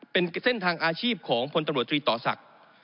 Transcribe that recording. เป็นเส้นทางอาชีพของพลตำรวจตรีต่อศักดิ์